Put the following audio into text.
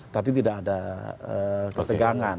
tapi tidak ada ketegangan